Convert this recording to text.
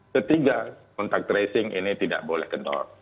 ketiga kontak tracing ini tidak boleh kendor